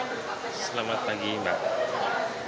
selamat pagi mbak